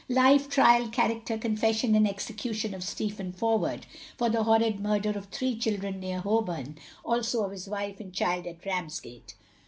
LIFE, TRIAL, CHARACTER, CONFESSION, AND EXECUTION OF STEPHEN FORWARD, For the Horrid Murder of THREE CHILDREN near Holborn, also of his WIFE AND CHILD at Ramsgate.